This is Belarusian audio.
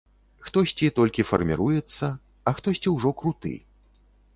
Хтосьці толькі фарміруецца, а хтосьці ўжо круты.